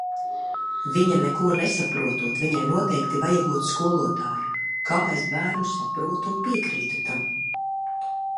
Viņa neko nesaprotot, viņai noteikti vajagot skolotāju! kā es bērnu saprotu un piekrītu tam!